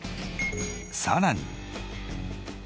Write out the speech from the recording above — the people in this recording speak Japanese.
さらに。